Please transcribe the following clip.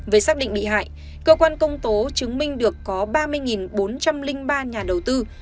về xác định bị hại cơ quan công tố chứng minh được có ba mươi bốn trăm linh ba nhà đầu tư